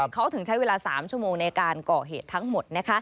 เขาถึงใช้เวลา๓ชั่วโมงในการก่อเหตุทั้งหมด